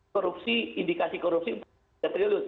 korupsi indikasi korupsi rp tiga triliun